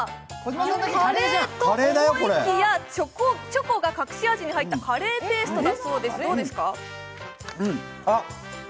カレーと思いきやチョコが隠し味に入ったカレー味だそうです。